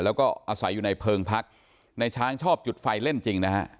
แล้วก็อาศัยอยู่ในเพลิงพักในช้างชอบจุดไฟเล่นจริงนะฮะ